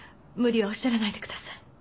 無理をおっしゃらないでください。